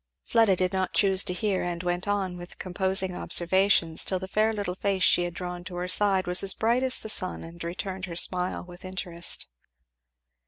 Fleda did not choose to hear; and went on with composing observations till the fair little face she had drawn to her side was as bright as the sun and returned her smile with interest.